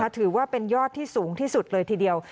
ถือว่าเป็นยอดที่สูงที่สุดเลยทีเดียว